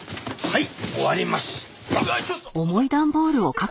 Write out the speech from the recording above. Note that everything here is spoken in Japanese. はい。